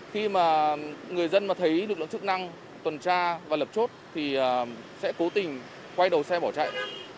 khi mà người dân mà thấy lực lượng chức năng tuần tra và lập chốt thì sẽ cố tình quay đầu xe bỏ chạy